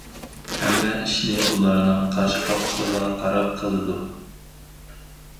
ھەممە ئىشنى ئۇلارنىڭ قاش- قاپىقىغا قاراپ قىلىدۇ.